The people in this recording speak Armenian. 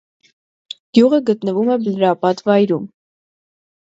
Գյուղը գտնվում էր բլրապատ վայրում։